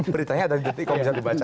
beritanya ada di detik kok bisa dibaca